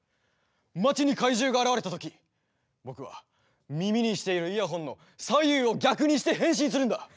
街に怪獣が現れたとき僕は耳にしているイヤホンの左右を逆にして変身するんだ！